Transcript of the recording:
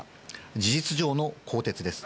事実上の更迭です。